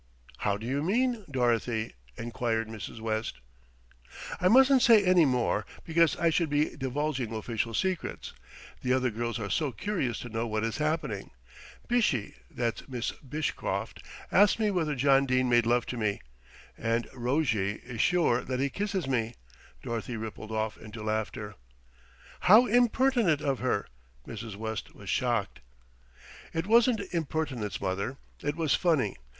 "How do you mean, Dorothy?" enquired Mrs. West. "I mustn't say any more, because I should be divulging official secrets. The other girls are so curious to know what is happening. Bishy, that's Miss Bishcroft, asked me whether John Dene made love to me, and Rojjie is sure that he kisses me." Dorothy rippled off into laughter. "How impertinent of her!" Mrs. West was shocked. "It wasn't impertinence, mother, it was funny.